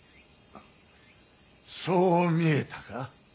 そう見えたか。